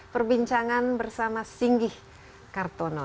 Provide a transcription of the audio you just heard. perbincangan bersama singgi kartono